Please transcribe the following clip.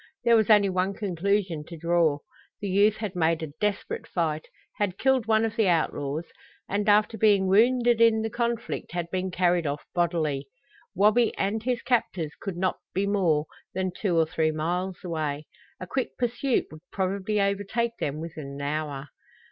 There was only one conclusion to draw. The youth had made a desperate fight, had killed one of the outlaws, and after being wounded in the conflict had been carried off bodily. Wabi and his captors could not be more than two or three miles away. A quick pursuit would probably overtake them within an hour.